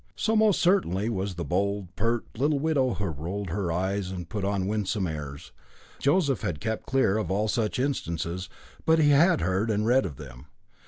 So most certainly was the bold, pert little widow who rolled her eyes and put on winsome airs. Joseph had kept clear of all such instances, but he had heard and read of them.